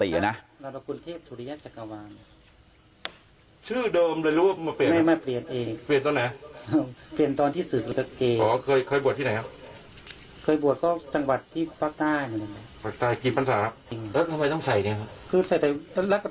เคยบวชที่ไหนครับ